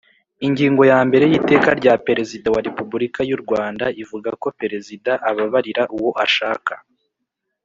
Ingingo yambere y Iteka rya Perezida wa repubulika yu Rwanda ivuga ko perezida ababarira uwo ashaka .